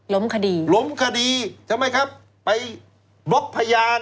ล้มคดีล้มคดีทำไมครับไปบล็อกพยาน